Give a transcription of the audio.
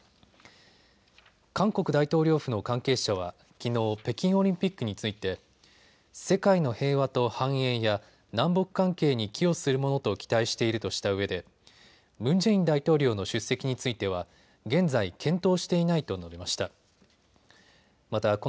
韓国大統領府の関係者はきのう、北京オリンピックについて世界の平和と繁栄や南北関係に寄与するものと期待しているとしたうえでムン・ジェイン大統領の出席については現在検討していないと述べました。